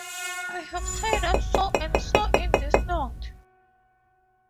I have tied up so-and-so in this knot.